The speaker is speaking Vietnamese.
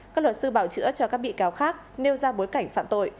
các luật sư bảo trữ ấp cho các bị cáo khác nêu ra bối cảnh phạm tội